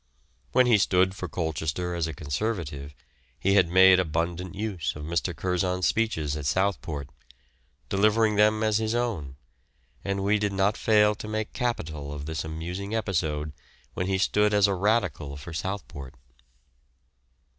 When he stood for Colchester as a Conservative he had made abundant use of Mr. Curzon's speeches at Southport, delivering them as his own, and we did not fail to make capital of this amusing episode when he stood as a Radical for Southport.